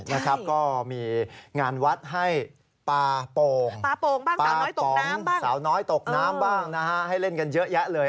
นะครับก็มีงานวัดให้ปลาโป่งบ้างปลาป๋องสาวน้อยตกน้ำบ้างนะฮะให้เล่นกันเยอะแยะเลย